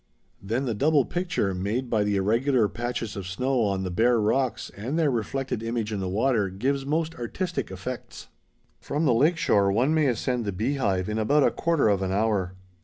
Then the double picture, made by the irregular patches of snow on the bare rocks and their reflected image in the water, gives most artistic effects. From the lake shore one may ascend the Beehive in about a quarter of an hour.